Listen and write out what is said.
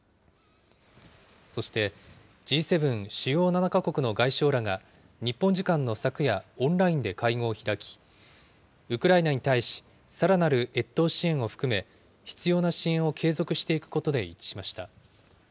そして、Ｇ７・主要７か国の外相らが、日本時間の昨夜、オンラインで会合を開き、ウクライナに対し、さらなる越冬支援を含め、必要な支援を継続していくことで一致しました。